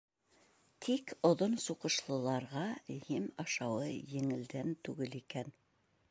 Тик оҙон суҡышлыларға ем ашауы еңелдән түгел икән.